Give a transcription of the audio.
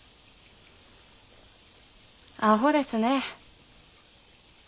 あほですね。